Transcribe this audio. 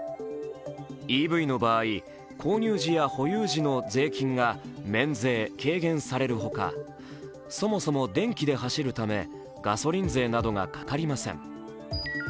ＥＶの場合、購入時や保有時の税金が免税・軽減されるほか、そもそも電気で走るためガソリン税などがかかりません。